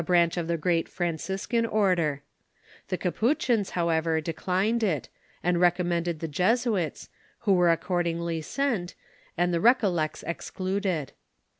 inch of the great Franciscan order. The Capuchins, however, declined it^ and recommended the Jesuits^ who were ac KOTIOE ON FATHEB LK OLEBOQ. 81 cordingly sent, and the Recollects excluded.